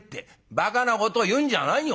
「ばかなことを言うんじゃないよ。